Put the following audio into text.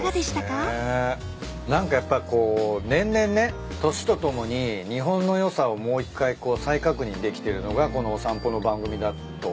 何かやっぱこう年々ね年とともに日本の良さをもう一回再確認できてるのがこのお散歩の番組だと思うんすよ。